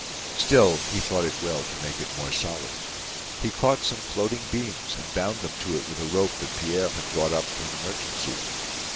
Still, he thought it well to make it more solid. He caught some floating beams and bound them to it with a rope that Pierre had brought up for an emergency.